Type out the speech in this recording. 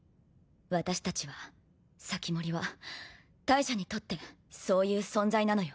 私たちは防人は大赦にとってそういう存在なのよ。